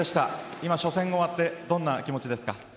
今、初戦が終わってどんな気持ちですか？